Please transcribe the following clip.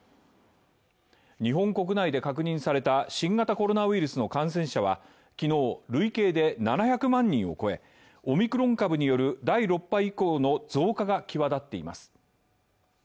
日本国内で確認された新型コロナウイルスの感染者は昨日、累計で７００万人を超えオミクロン株による第６波以降の増加が際立っています。